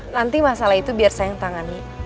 nanti masalah itu biar saya yang tangani